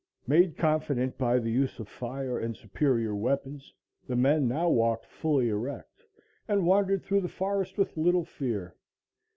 Made confident by the use of fire and superior weapons, the men now walked fully erect and wandered through the forest with little fear.